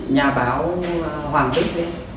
nhà báo hoàng vích đấy